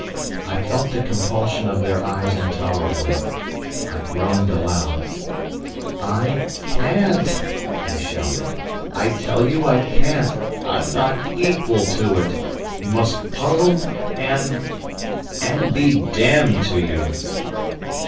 I felt the compulsion of their eyes intolerably. I groaned aloud. "I can't," I shouted. "I tell you I can't! I'm not equal to it! You must puzzle and—and be damned to you!"